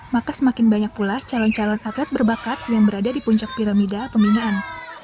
maka semakin banyak pula calon calon atlet berbakat yang berada di puncak piramida pembinaan